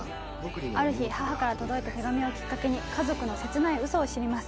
ある日母から届いた手紙をきっかけに家族の切ないうそを知ります